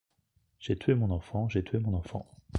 J’ai tué mon enfant! j’ai tué mon enfant !